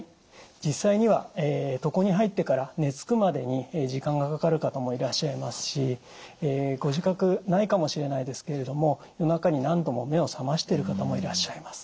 実際には床に入ってから寝つくまでに時間がかかる方もいらっしゃいますしご自覚ないかもしれないですけれども夜中に何度も目を覚ましている方もいらっしゃいます。